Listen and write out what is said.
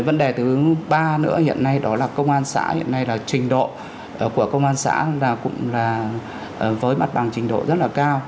vấn đề thứ ba nữa hiện nay đó là công an xã hiện nay là trình độ của công an xã cũng là với mặt bằng trình độ rất là cao